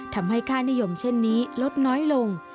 ทำให้ค่านิยมเช่นนี้ลดน้อยลง